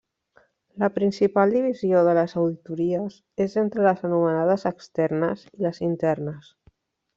La principal divisió de les auditories és entre les anomenades externes i les internes.